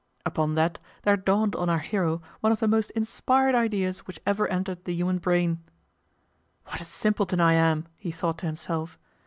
Upon that there dawned on our hero one of the most inspired ideas which ever entered the human brain. "What a simpleton I am!" he thought to himself.